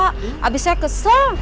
habis saya kesel